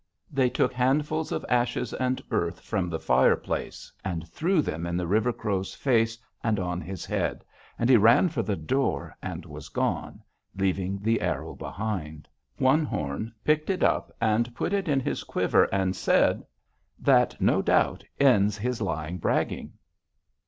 they took handfuls of ashes and earth from the fireplace and threw them in the River Crow's face and on his head, and he ran for the door and was gone, leaving the arrow behind. One Horn picked it up and put it in his quiver, and said: 'That no doubt ends his lying bragging!'